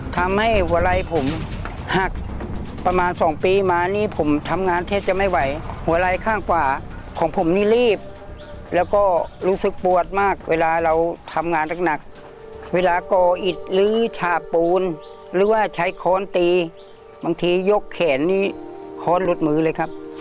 ทำให้หัวไรผมหักประมาณสองปีมานี่ผมทำงานแทบจะไม่ไหวหัวไรข้างขวาของผมนี่รีบแล้วก็รู้สึกปวดมากเวลาเราทำงานหนักเวลาก่ออิดหรือฉาปูนหรือว่าใช้ค้อนตีบางทียกแขนนี้ค้อนหลุดมือเลยครับ